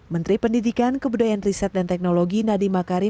menteri pendidikan kebudayaan riset dan teknologi nadi makari